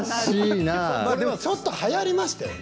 でもちょっとはやりましたよね